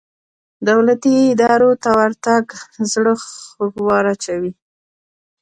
دولتي ادارو ته ورتګ زړه خوږ وراچوي.